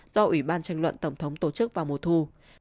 do ủy ban tranh luận tổng thống tổ chức vào mùa thu